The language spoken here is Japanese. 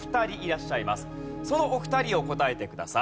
そのお二人を答えてください。